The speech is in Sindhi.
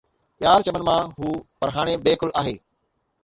پيار چمن مان هو پر هاڻي بي عقل آهي